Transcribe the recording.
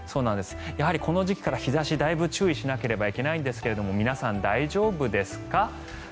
この時期からだいぶ日差しに注意しなければいけないんですが皆さん、大丈夫ですか？